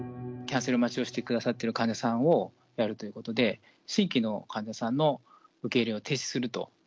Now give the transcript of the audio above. キャンセル待ちをしてくださってる患者さんをやるということで、新規の患者さんの受け入れを停止すると。